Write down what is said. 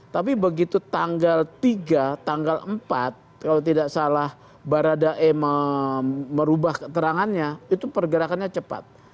tapi begitu tanggal tiga tanggal empat kalau tidak salah baradae merubah keterangannya itu pergerakannya cepat